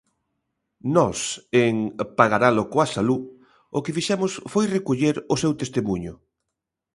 Nós, en "Pagaralo coa salú", o que quixemos foi recoller o seu testemuño.